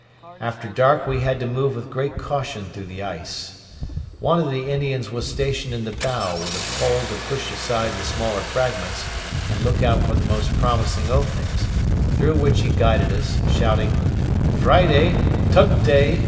After dark we had to move with great caution through the ice. One of the Indians was stationed in the bow with a pole to push aside the smaller fragments and look out for the most promising openings, through which he guided us, shouting, "Friday! Tucktay!"